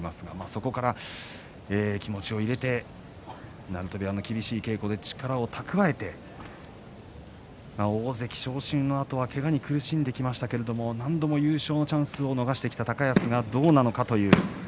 そこから気持ちを入れて鳴戸部屋の厳しい稽古で力を蓄えて大関昇進のあとはけがに苦しんできましたけど何度も優勝のチャンスを逃してきた高安はどうなのかという。